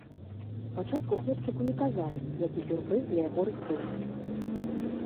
Спачатку хлопчыку не казалі, які сюрпрыз для яго рыхтуюць.